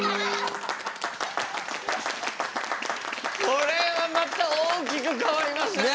これはまた大きく変わりましたね。